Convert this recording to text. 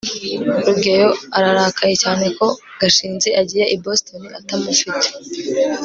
rugeyo ararakaye cyane ko gashinzi agiye i boston atamufite